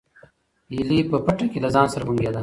هیلې په پټه کې له ځان سره بونګېده.